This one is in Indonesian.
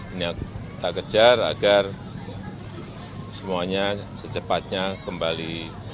ini yang kita kejar agar semuanya secepatnya kembali